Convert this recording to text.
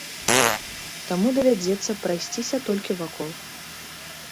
Таму давядзецца прайсціся толькі вакол.